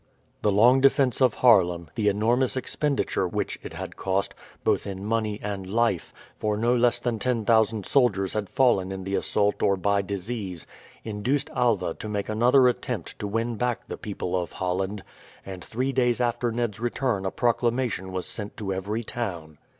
The long defence of Haarlem, the enormous expenditure which it had cost, both in money and life, for no less than 10,000 soldiers had fallen in the assault or by disease, induced Alva to make another attempt to win back the people of Holland, and three days after Ned's return a proclamation was sent to every town.